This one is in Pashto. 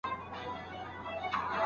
موږ ویاړو چي